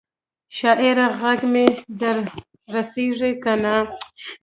شاعره ږغ مي در رسیږي کنه؟